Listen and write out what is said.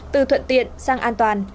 từ thuận tiện sang an toàn